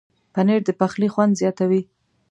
پنېر د پخلي خوند زیاتوي.